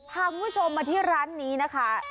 พาคุณผู้ชมมาที่ร้านนี้นะคะ